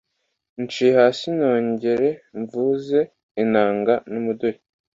Ncinye hasi nongenre Mvuze inanga n'umuduri